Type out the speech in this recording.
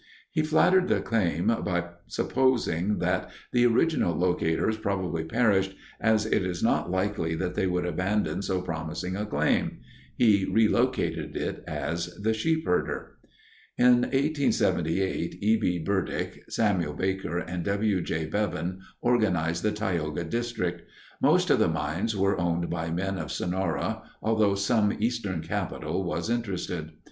He flattered the claim by supposing that "the original locators probably perished, as it is not likely that they would abandon so promising a claim"; he relocated it as the "Sheepherder." In 1878, E. B. Burdick, Samuel Baker, and W. J. Bevan organized the Tioga District. Most of the mines were owned by men of Sonora, although some Eastern capital was interested.